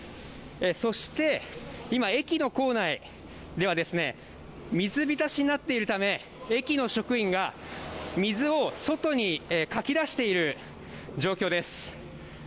そして、今駅の構内ではですね、水浸しになっているため駅の職員が水を外にかきだしている状況です。